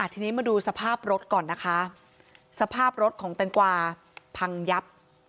ทีนี้มาดูสภาพรถก่อนนะคะสภาพรถของแตงกวาพังยับ